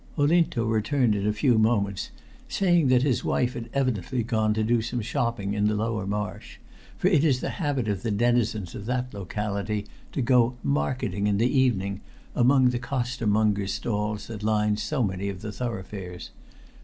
Olinto returned in a few moments, saying that his wife had evidently gone to do some shopping in the Lower Marsh, for it is the habit of the denizens of that locality to go "marketing" in the evening among the costermongers' stalls that line so many of the thoroughfares.